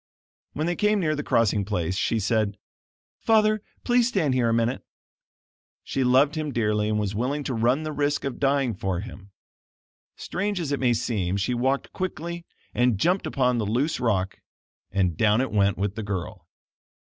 When they came near the crossing place, she said: "Father, please stand here a minute." She loved him dearly and was willing to run the risk of dying for him. Strange as it may seem she walked quickly and jumped upon the loose rock, and down it went with the girl.